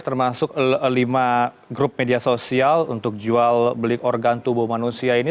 termasuk lima grup media sosial untuk jual beli organ tubuh manusia ini